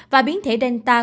và biến thể delta